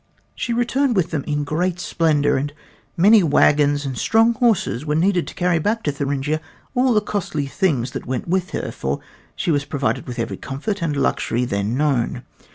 She returned with them in great splendor, and many wagons and strong horses were needed to carry back to Thuringia all the costly things that went with her, for she was provided with every comfort and luxury then known.